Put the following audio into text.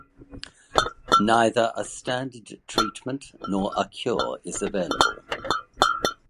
Neither a standard treatment nor a cure is available.